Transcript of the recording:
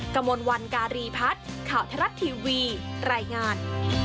กระมวลวันการีพัฒน์ข่าวทรัฐทีวีรายงาน